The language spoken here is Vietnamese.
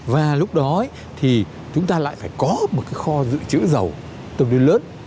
và lúc đó thì chúng ta lại phải có một cái kho dự trữ dầu tương đối lớn